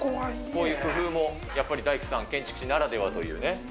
こういう工夫も、やっぱり大工さん、建築士さんならではというね。